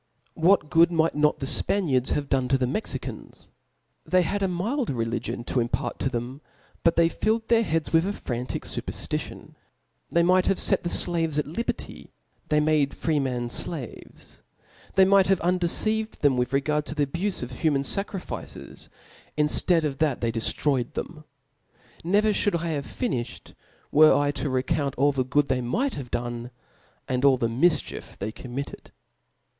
* What good might liot the Spa:niards have done to the Mopcaps j Tbey had a mild religion to ^mpart to them ; but they filled their heads with a fraiitic fupetftittDni They might have fee ff^i^s at liberty •, they mf dc free men (laves. They Inight hay« uhfieceivcd them with regard to the kbufe' 6f hiimafi facrifices i initead of that they de^ frayed them.' Never (hoiild I hare finffiied, were to recount all the good they might have done, ^nd all the mifchief they commiteed.